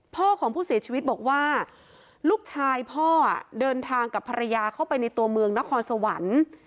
พ่อของผู้เสียชีวิตบอกว่าลูกชายพ่อเดินทางกับภรรยาเข้าไปในตัวเมืองนครสวรรค์